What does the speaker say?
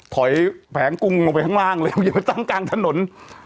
ถอยแผงกุ้งลงไปข้างล่างเลยอยู่ในต้ำกลางถนน